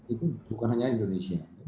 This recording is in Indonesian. itu bukan hanya indonesia